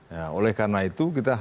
ya oleh karena itu kita